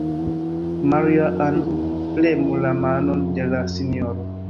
Maria-Ann, premu la manon de la sinjoro.